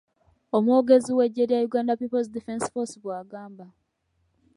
Omwogezi w'Eggye lya Uganda People's Defence Force bw'agamba.